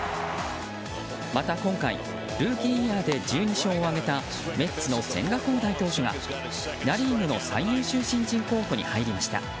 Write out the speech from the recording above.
また、今回ルーキーイヤーで１２勝を挙げたメッツの千賀滉大投手がナ・リーグの最優秀新人候補に選ばれました。